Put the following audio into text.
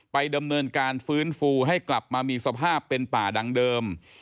ดำเนินการฟื้นฟูให้กลับมามีสภาพเป็นป่าดังเดิม